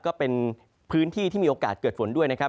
ก็เป็นพื้นที่ที่มีโอกาสเกิดฝนด้วยนะครับ